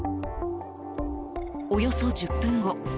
およそ１０分後。